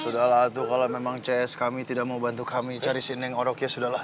sudahlah tuh kalau memang cs kami tidak mau bantu kami cari si neng orok ya sudahlah